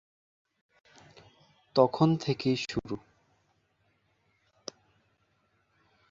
তখন থেকেই শুরু।